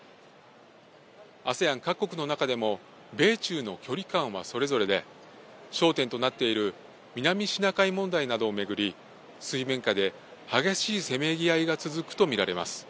ＡＳＥＡＮ各国の中でも米中の距離感はそれぞれで、焦点となっている南シナ海問題などを巡り、水面下で激しいせめぎ合いが続くと見られます。